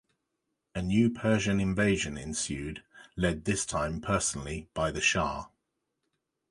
A new Persian invasion ensued, led this time personally by the shah.